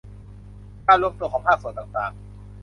การรวมตัวของภาคส่วนต่างต่าง